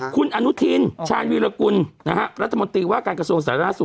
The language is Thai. คุณอนุทินชาญวีรกุลรัฐมนตรีว่าการกระทรวงสาธารณสุข